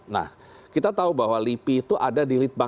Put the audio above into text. nah kita tahu bahwa j nya itu pengkajian rab nya itu penerapan